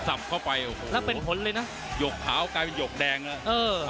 สับเข้าไปโอ้โหแล้วเป็นผลเลยนะหยกขาวกลายเป็นหยกแดงแล้วเออ